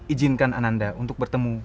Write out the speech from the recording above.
ijinkan ananda untuk bertemu